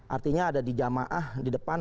artinya ada di jamaah di depan